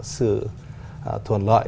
sự thuận lợi